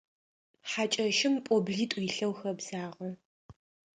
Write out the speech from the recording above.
Хьакӏэщым пӏоблитӏу илъэу хэбзагъэ.